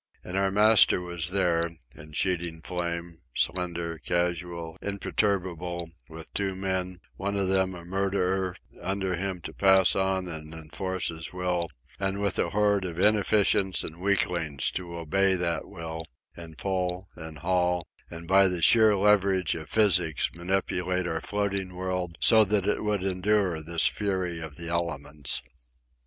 And our master was there, in sheeting flame, slender, casual, imperturbable, with two men—one of them a murderer—under him to pass on and enforce his will, and with a horde of inefficients and weaklings to obey that will, and pull, and haul, and by the sheer leverages of physics manipulate our floating world so that it would endure this fury of the elements.